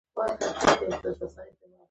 بایسکل چلول د زړښت د مخنیوي لپاره ګټور دي.